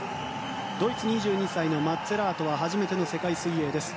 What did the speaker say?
ドイツ、２２歳のマッツェラートは初めての世界水泳です。